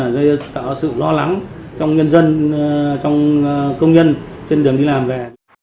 gây tạo sự lo lắng trong nhân dân trong công nhân trên đường đi làm về